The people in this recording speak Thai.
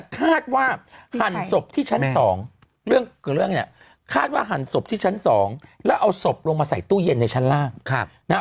คาดว่าหั่นศพที่ชั้น๒คาดว่าหั่นศพที่ชั้น๒แล้วเอาศพลงมาใส่ตู้เย็นในชั้นล่าง